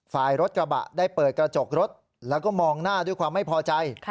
ฝ่ายรถกระบะได้เปิดกระจกรถแล้วก็มองหน้าด้วยความไม่พอใจ